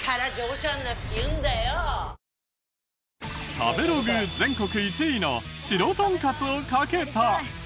食べログ全国１位の白トンカツをかけた。